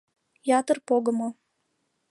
— Ятыр погымо...